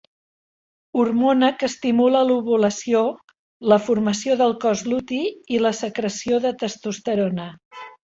Hormona que estimula l'ovulació, la formació del cos luti i la secreció de testosterona.